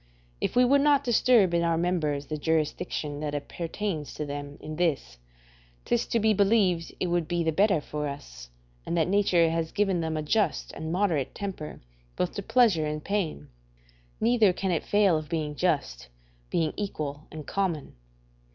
If we would not disturb in our members the jurisdiction that appertains to them in this, 'tis to be believed it would be the better for us, and that nature has given them a just and moderate temper both to pleasure and pain; neither can it fail of being just, being equal and common.